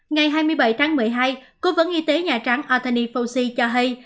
ngày hai mươi bảy tháng một mươi hai cố vấn y tế nhà trắng atheny fauci cho hay